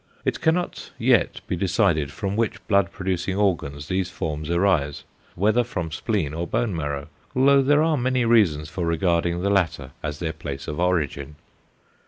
It cannot yet be decided from which blood producing organs these forms arise, whether from spleen or bone marrow, although there are many reasons for regarding the latter as their place of origin.